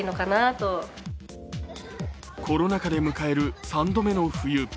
コロナ禍で迎える３度目の冬。